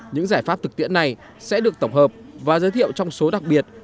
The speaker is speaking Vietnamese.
những giải pháp thực tiễn này sẽ được tổng hợp và giới thiệu trong số đặc biệt